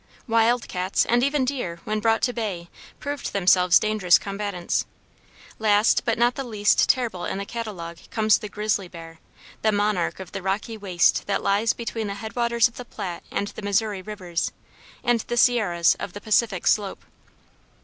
Wild cats, and even deer, when brought to bay, proved themselves dangerous combatants. Last, but not the least terrible in the catalogue, comes the grizzly bear, the monarch of the rocky waste that lies between the headwaters of the Platte and the Missouri rivers, and the sierras of the Pacific slope.